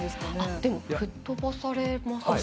でも吹っ飛ばされますよね。